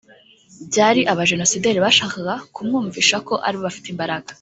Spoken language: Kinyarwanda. byari abajenosideri bashakaga kumwumvisha ko ari bo bafite imbaraga